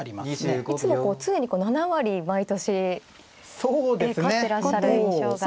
いつも常に７割毎年勝ってらっしゃる印象が。